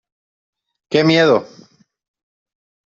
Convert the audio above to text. ¡Qué miedo!